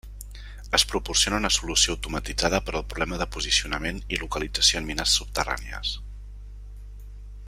Es proporciona una solució automatitzada per al problema de posicionament i localització en mines subterrànies.